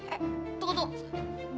eh tunggu tunggu